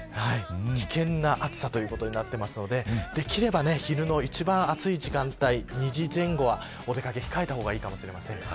危険な暑さということになっていますのでできれば昼の一番暑い時間帯２時前後は、お出掛けを控えた方がいいかもしれません。